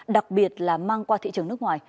đặc biệt là mang qua thị trường nước ngoài